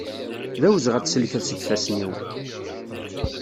D awezɣi ad tselkeḍ seg ifassen-iw.